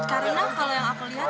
karena kalau yang aku lihat